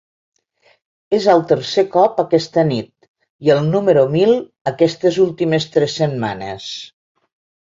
És el tercer cop aquesta nit, i el número mil aquestes últimes tres setmanes.